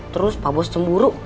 terus pak bos cemburu